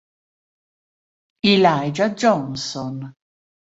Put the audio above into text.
Elijah Johnson